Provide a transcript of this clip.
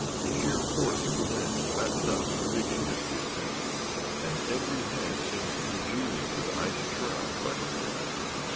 The sheer force of the wind flattened out to the rigging as we ascended, and every hand seemed congealing to the icy shrouds by which we held.